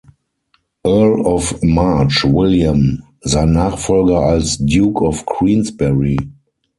Earl of March, William sein Nachfolger als "Duke of Queensberry".